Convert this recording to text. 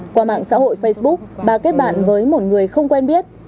qua mạng xã hội facebook bà kết bạn với một người không quen biết